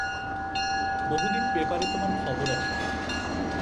বহুদিন পেপারে তোমার খবর আসে না।